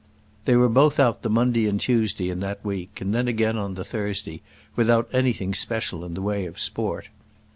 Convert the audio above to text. They were both out the Monday and Tuesday in that week, and then again on the Thursday without anything special in the way of sport.